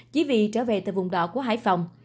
chỉ vì trở về từ vùng đỏ của hải phòng